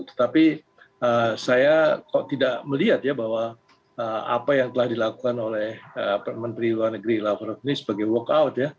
tetapi saya tidak melihat bahwa apa yang telah dilakukan oleh menteri luar negeri la frenes sebagai workout